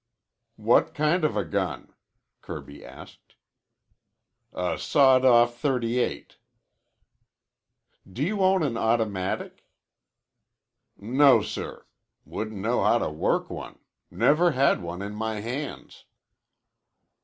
"What kind of a gun?" Kirby asked. "A sawed off .38." "Do you own an automatic?" "No, sir. Wouldn't know how to work one. Never had one in my hands."